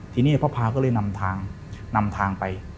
ทีนี้พระพาก็เลยนำทางไป